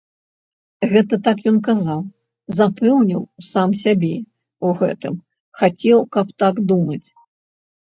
Гэта так ён казаў, запэўніваў сам сябе ў гэтым, хацеў, каб так думаць.